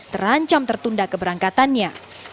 terancam tertunda keberangkatannya